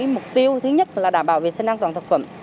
mục tiêu thứ nhất là đảm bảo vệ sinh an toàn thực phẩm